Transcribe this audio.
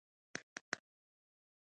فرش او نالۍ پکې غړېدلې وې.